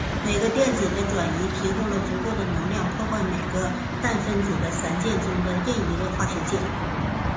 每个电子的转移提供了足够的能量破坏每个氮分子的三键中的任一个化学键。